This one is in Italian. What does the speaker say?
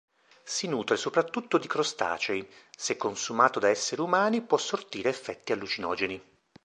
Si nutre soprattutto di crostacei; se consumato da esseri umani, può sortire effetti allucinogeni.